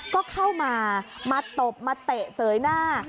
ก็เข้ามามาตบมาเตะเสยหน้า